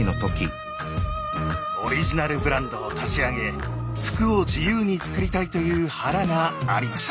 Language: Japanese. オリジナルブランドを立ち上げ服を自由に作りたいという腹がありました。